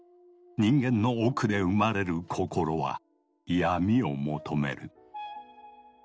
人間の奥で生まれる心は闇を求める。